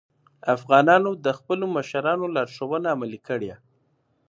افغانانو د خپلو مشرانو لارښوونې عملي کړې.